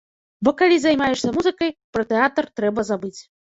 Бо калі займаешся музыкай, пра тэатр трэба забыць.